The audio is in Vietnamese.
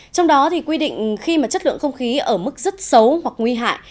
trong đó thì quy định khi mà chất lượng không khí ở mức rất xấu hoặc nguy hại